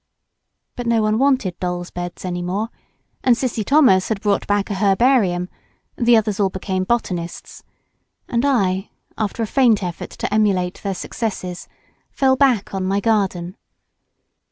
But no one wanted dolls' beds anymore; and Cissy Thomas had brought back a herbarium: the others all became botanists, and I, after a faint effort to emulate their successes, fell back on my garden.